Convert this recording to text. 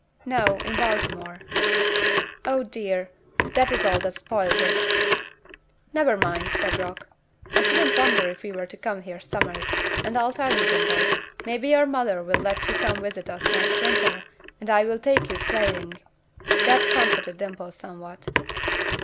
"No, in Baltimore." "Oh, dear, that is all that spoils it." "Never mind," said Rock. "I shouldn't wonder if we were to come here summers, and I'll tell you, Dimple, maybe your mother will let you come visit us next winter, and I will take you sleighing." That comforted Dimple somewhat.